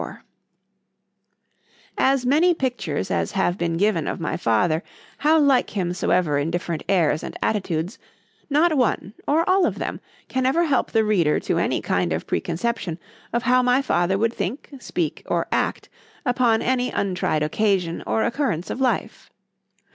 XXIV As many pictures as have been given of my father, how like him soever in different airs and attitudes,—not one, or all of them, can ever help the reader to any kind of preconception of how my father would think, speak, or act, upon any untried occasion or occurrence of life.